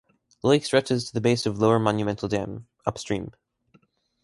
The lake stretches to the base of Lower Monumental Dam, upstream.